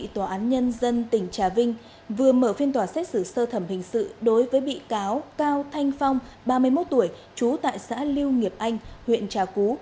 tòa án nhân dân tỉnh trà vinh vừa mở phiên tòa xét xử sơ thẩm hình sự đối với bị cáo cao thanh phong ba mươi một tuổi trú tại xã liêu nghiệp anh huyện trà cú